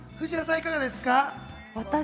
藤原さん、いかがですか？